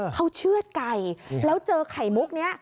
เขาเชื่อดไก่แล้วเจอไข่มุกนี้